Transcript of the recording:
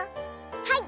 はい。